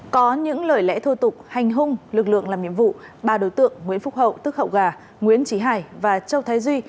có những lời lẽ thô tục hành hung lực lượng làm nhiệm vụ ba đối tượng nguyễn phúc hậu tức hậu gà nguyễn trí hải và châu thái duy